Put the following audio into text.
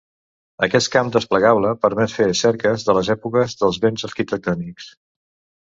Aquest camp desplegable permet fer cerques de les èpoques dels béns arquitectònics.